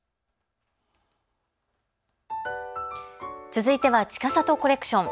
続いてはちかさとコレクション。